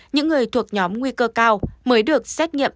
những người thuộc nhóm nguy cơ cao mới được xét nghiệm